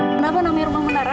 kenapa namanya rumah menara